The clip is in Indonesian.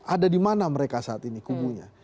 ada di mana mereka saat ini kubunya